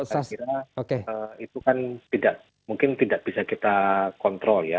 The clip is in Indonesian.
saya kira itu kan tidak mungkin tidak bisa kita kontrol ya